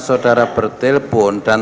saudara bertelepon dan